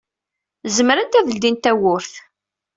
Zemrent ad ledyent tawwurt.